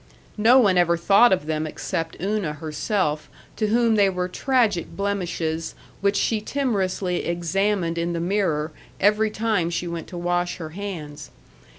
No one ever thought of them except Una herself, to whom they were tragic blemishes which she timorously examined in the mirror every time she went to wash her hands.